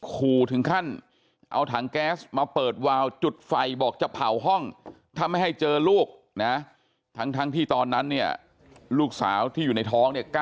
ขู่ถึงขั้นเอาถังแก๊สมาเปิดวาวจุดไฟบอกจะเผาห้องถ้าไม่ให้เจอลูกนะทั้งที่ตอนนั้นเนี่ยลูกสาวที่อยู่ในท้องเนี่ย